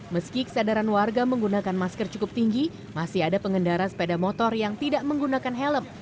meski kesadaran warga menggunakan masker cukup tinggi masih ada pengendara sepeda motor yang tidak menggunakan helm